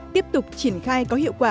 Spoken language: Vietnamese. tiếp tục triển khai có hiệu quả